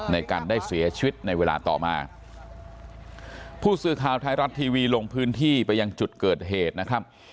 ในกันได้เสียชีวิตในเวลาต่อมาผู้สื่อข่าวไทยรัฐทีวีลงพื้นที่ไปยังจุดเกิดเหตุนะครับ